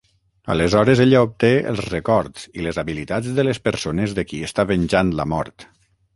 Aleshores ella obté els records i les habilitats de les persones de qui està venjant la mort.